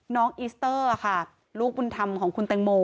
น้องอิสเตอร์ค่ะลูกบุญธรรมของคุณแตงโม